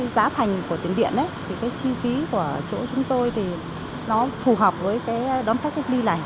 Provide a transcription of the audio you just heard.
giá thành của tiền điện thì chi phí của chỗ chúng tôi thì nó phù hợp với đón khách khách đi này